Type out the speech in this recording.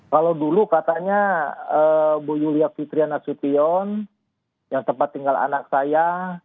kalau dulu katanya bu yulia fitrianasution yang tempat tinggal anak saya